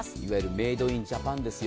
メイドインジャパンですよ。